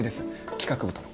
企画部との。